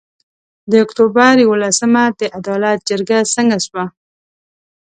د اُکټوبر یولسمه د عدالت جرګه څنګه سوه؟